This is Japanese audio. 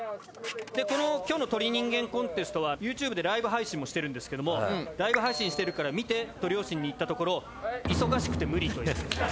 でこの今日の鳥人間コンテストはＹｏｕＴｕｂｅでライブ配信もしてるんですけども「ライブ配信してるから見て」と両親に言ったところ「忙しくて無理」という事でした。